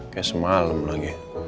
kayak semalem lagi